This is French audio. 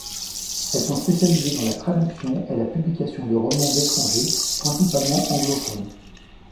Elles sont spécialisées dans la traduction et la publication de romans étrangers, principalement anglophones.